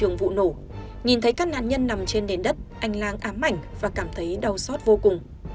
vụ nổ nhìn thấy các nạn nhân nằm trên nền đất anh lang ám ảnh và cảm thấy đau xót vô cùng